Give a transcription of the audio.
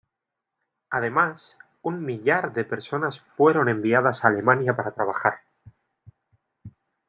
Además, un millar de personas fueron enviadas a Alemania para trabajar.